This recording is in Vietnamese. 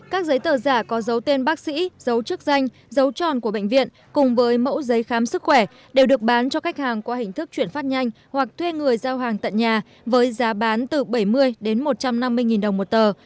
các giấy tờ giả có dấu tên bác sĩ dấu chức danh dấu tròn của bệnh viện cùng với mẫu giấy khám sức khỏe đều được bán cho khách hàng qua hình thức chuyển phát nhanh hoặc thuê người giao hàng tận nhà với giá bán từ bảy mươi đến một trăm năm mươi đồng một tờ